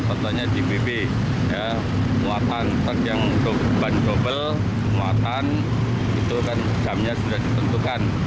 contohnya di bb muatan terdengar ban gobel muatan itu kan jamnya sudah ditentukan